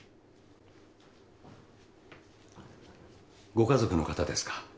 ご家族の方ですか？